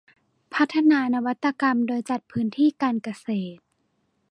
พัฒนานวัตกรรมโดยจัดพื้นที่การเกษตร